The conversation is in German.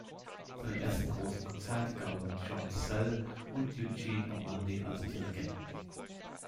Seine ersten großen Konzerte gab er mit George Szell und Eugene Ormandy als Dirigenten.